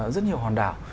rất nhiều hòn đảo